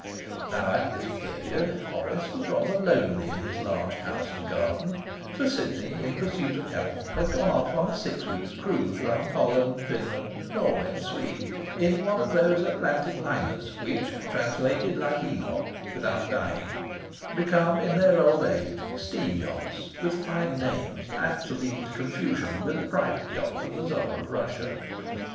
Now at this period Horace was rather lonely in his large house and garden; for Sidney, in pursuit of health, had gone off on a six weeks' cruise round Holland, Finland, Norway, and Sweden, in one of those Atlantic liners which, translated like Enoch without dying, become in their old age 'steam yachts', with fine names apt to lead to confusion with the private yacht of the Tsar of Russia.